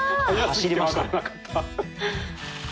走りましたね。